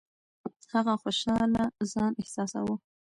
هغه خوشاله ځان احساساوه.